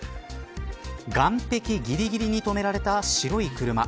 岸壁ぎりぎりに止められた白い車。